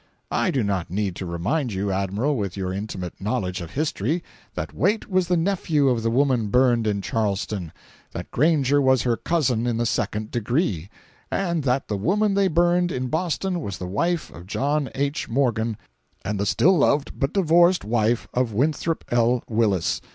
I do not need to remind you, Admiral, with your intimate knowledge of history, that Waite was the nephew of the woman burned in Charleston; that Granger was her cousin in the second degree, and that the woman they burned in Boston was the wife of John H. Morgan, and the still loved but divorced wife of Winthrop L. Willis.